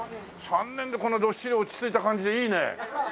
３年でこんなどっしり落ち着いた感じでいいね。